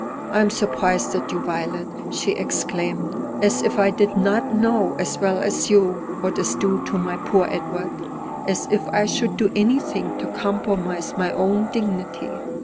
"I am surprised at you, Violet!" she exclaimed; "as if I did not know, as well as you, what is due to my poor Edward; as if I should do anything to compromise my own dignity.